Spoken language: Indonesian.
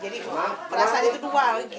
jadi perasaan itu dua lagi